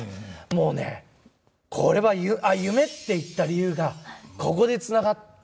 もうねこれは夢って言った理由がここでつながったと思いましたね。